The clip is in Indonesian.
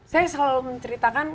saya selalu menceritakan